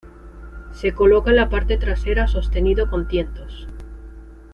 Se coloca en la parte trasera sostenido con tientos.